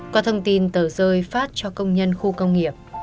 có thông tin tờ rơi phát cho công nhân khu công nghiệp